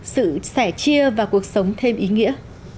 sự sẻ chia và cuộc sống thêm ý nghĩa